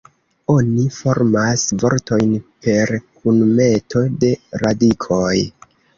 Oni formas vortojn per kunmeto de radikoj.